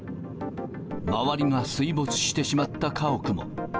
周りが水没してしまった家屋も。